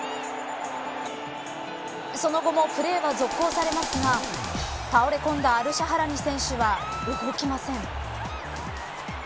その後もプレーは続行されますが倒れ込んだアルシャハラニ選手は動きません。